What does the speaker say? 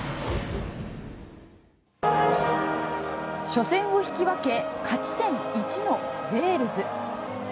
初戦を引き分け勝ち点１のウェールズ。